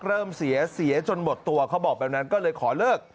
เริ่มเสียเสียจนหมดตัวเขาบอกแบบนั้นก็เลยขอเลิก